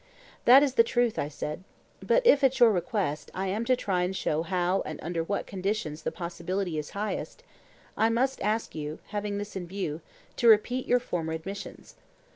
That is the truth, I said. But if, at your request, I am to try and show how and under what conditions the possibility is highest, I must ask you, having this in view, to repeat your former admissions.